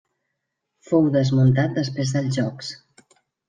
Fou desmuntat després dels Jocs.